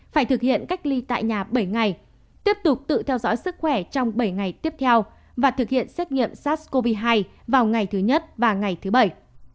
phải thực hiện cách ly tại nhà bảy ngày tiếp tục tự theo dõi sức khỏe trong bảy ngày tiếp theo và thực hiện xét nghiệm sars cov hai vào ngày thứ nhất và ngày thứ bảy